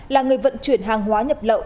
là người vận chuyển hàng hóa nhập lậu